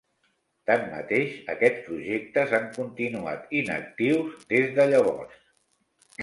Tanmateix, aquests projectes han continuat inactius des de llavors.